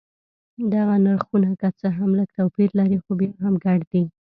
دغه نرخونه که څه هم لږ توپیر لري خو بیا هم ګډ دي.